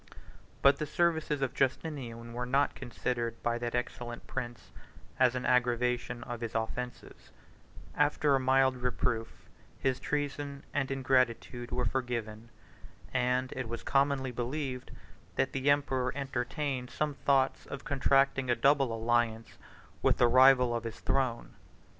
But the services of Justinian were not considered by that excellent prince as an aggravation of his offences: after a mild reproof, his treason and ingratitude were forgiven; and it was commonly believed, that the emperor entertained some thoughts of contracting a double alliance with the rival of his throne.